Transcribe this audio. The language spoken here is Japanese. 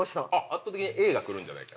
圧倒的にＡがくるんじゃないか。